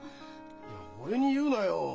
いや俺に言うなよ。